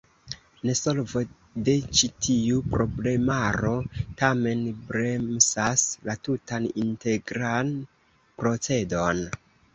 Nesolvo de ĉi tiu problemaro tamen bremsas la tutan integran procedon.